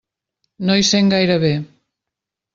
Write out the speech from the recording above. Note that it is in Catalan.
No hi sent gaire bé.